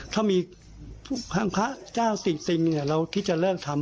ถ้ามีทางพระเจ้าติซิงเราที่จะเลิกทำ